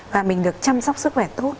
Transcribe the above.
và mình được chăm sóc sức khỏe tốt